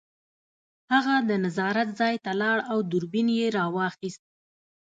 هغه د نظارت ځای ته لاړ او دوربین یې راواخیست